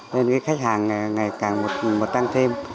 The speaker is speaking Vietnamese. nên cái khách hàng ngày càng một tăng thêm